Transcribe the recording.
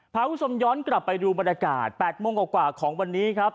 พาคุณผู้ชมย้อนกลับไปดูบรรยากาศ๘โมงกว่าของวันนี้ครับ